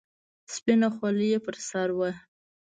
سپينه خولۍ يې پر سر وه.